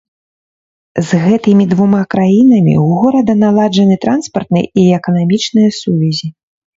З гэтымі двума краінамі ў горада наладжаны транспартныя і эканамічныя сувязі.